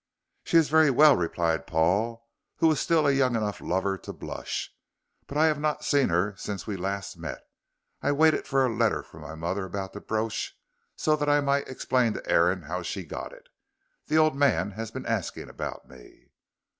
"She is very well," replied Paul, who was still a young enough lover to blush, "but I have not seen her since we last met. I waited for a letter from my mother about the brooch, so that I might explain to Aaron how she got it. The old man has been asking after me."